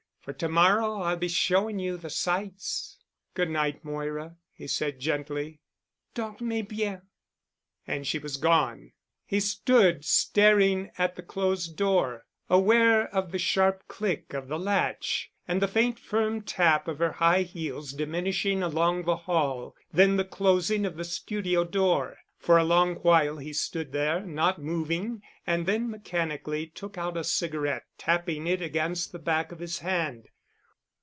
For to morrow I'll be showing you the sights." "Good night, Moira," he said gently. "Dormez bien." And she was gone. He stood staring at the closed door, aware of the sharp click of the latch and the faint firm tap of her high heels diminishing along the hall—then the closing of the studio door. For a long while he stood there, not moving, and then mechanically took out a cigarette, tapping it against the back of his hand.